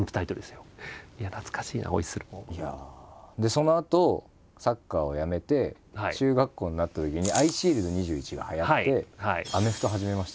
そのあとサッカーをやめて中学校になったときに「アイシールド２１」がはやってアメフト始めました。